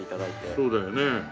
そうだよね。